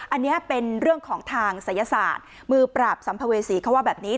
อันนี้เป็นเรื่องของทางศัยศาสตร์มือปราบสัมภเวษีเขาว่าแบบนี้